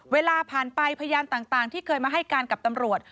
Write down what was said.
เวลาผ่านไปพยานต่างที่เคยมาให้การกับตำรวจ